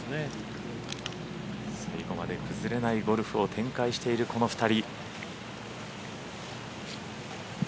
最後まで崩れないゴルフを展開しているこの２人。